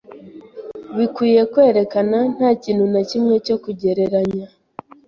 Bikwiye kwerekana ntakintu nakimwe cyo kugereranya